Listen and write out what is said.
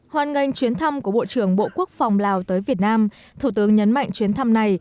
hoàn nghênh chuyến thăm của bộ trưởng bộ quốc phòng lào tới việt nam thủ tướng nhấn mạnh chuyến thăm này